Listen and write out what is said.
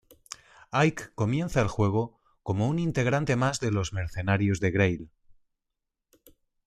Ike comienza el juego como un integrante más de los "mercenarios de Greil".